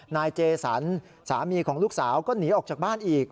นายเจสันสามีของลูกสาวก็หนีออกจากบ้านอีก